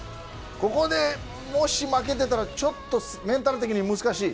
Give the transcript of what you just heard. ここでもし負けていたらメンタル的に難しい。